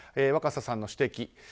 若狭さんの指摘。